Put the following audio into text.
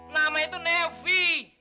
namanya itu nevi